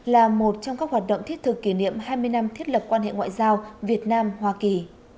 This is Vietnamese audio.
là một trong các hoạt động thiết thực kỷ niệm hai mươi năm thiết lập quan hệ ngoại giao việt nam hoa kỳ